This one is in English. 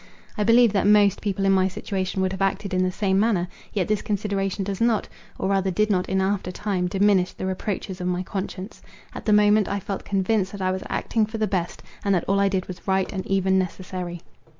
I believe that most people in my situation would have acted in the same manner. Yet this consideration does not, or rather did not in after time, diminish the reproaches of my conscience. At the moment, I felt convinced that I was acting for the best, and that all I did was right and even necessary.